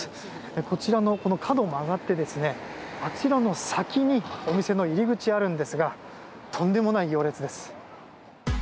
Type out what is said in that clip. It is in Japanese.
こちらの角を曲がってあちらの先にお店の入り口があるんですがとんでもない行列です。